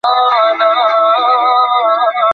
হাওয়ার যে ঘূর্ণি উঠেছে, তাও সে লক্ষ করেছে।